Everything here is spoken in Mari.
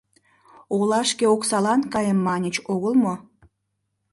Олашке оксалан каем маньыч огыл мо?